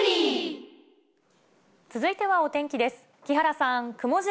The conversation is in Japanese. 続いてはお天気です。